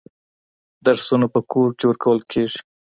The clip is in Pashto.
درسونه په کور کي ورکول کېږي.